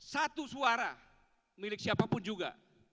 satu suara milik siapapun juga